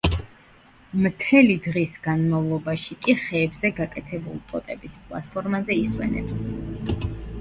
მთელი დღის განმავლობაში კი ხეებზე გაკეთებულ ტოტების პლატფორმაზე ისვენებს.